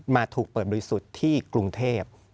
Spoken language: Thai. มาถูกเปิดบริสุทธิ์ที่กรุงเทพ